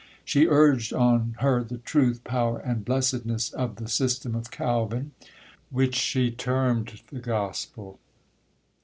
She urged on her the truth, power, and blessedness of the system of Calvin, which she termed the gospel.